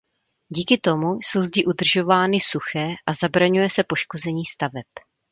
Díky tomu jsou zdi udržovány suché a zabraňuje se poškození staveb.